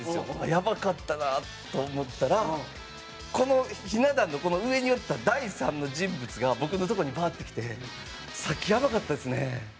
やばかったなと思ったらこのひな壇の上におった第三の人物が僕のとこにバーッて来て「さっきやばかったですね」。